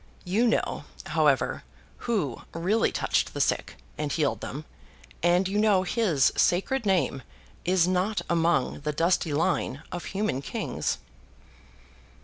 You know, however, Who really touched the sick, and healed them; and you know His sacred name is not among the dusty line of human kings.